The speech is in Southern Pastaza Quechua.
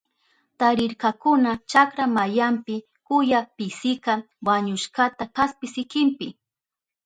Tarirkakuna chakra mayanpi kuyapisika wañushkata kaspi sikinpi.